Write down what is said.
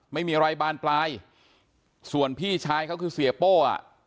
ไม่มีอะไรบานปลายส่วนพี่ชายเขาคือเสียโป้อ่ะ